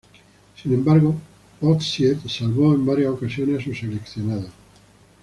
Sin embargo, Wojciech salvó en varias ocasiones a su seleccionado.